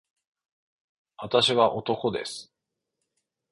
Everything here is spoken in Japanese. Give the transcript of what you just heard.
私は男です